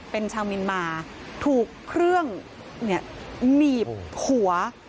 เป็นชาวเมียนมาถูกเครื่องหนีบหัว